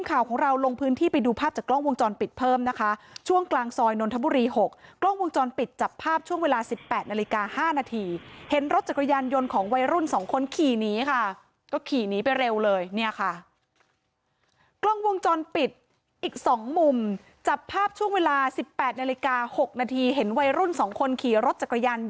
ข่าวของเราลงพื้นที่ไปดูภาพจากกล้องวงจรปิดเพิ่มนะคะช่วงกลางซอยนนทบุรี๖กล้องวงจรปิดจับภาพช่วงเวลาสิบแปดนาฬิกา๕นาทีเห็นรถจักรยานยนต์ของวัยรุ่นสองคนขี่หนีค่ะก็ขี่หนีไปเร็วเลยเนี่ยค่ะกล้องวงจรปิดอีกสองมุมจับภาพช่วงเวลาสิบแปดนาฬิกา๖นาทีเห็นวัยรุ่นสองคนขี่รถจักรยานย